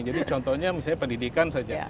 jadi contohnya misalnya pendidikan saja